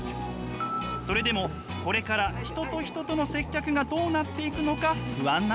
それでもこれから人と人との接客がどうなっていくのか不安なのです。